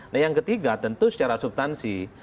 nah yang ketiga tentu secara subtansi